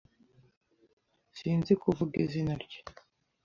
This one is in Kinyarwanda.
Sinzi kuvuga izina rye.